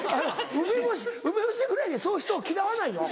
梅干しぐらいでそう人を嫌わないよ。